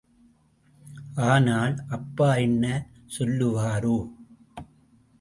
ஆனால், அப்பா என்ன சொல்லுவாரோ?